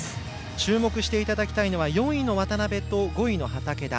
注目していただきたいのは４位の渡部と５位の畠田。